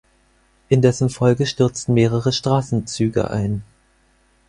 In dessen Folge stürzten mehrere Straßenzüge ein.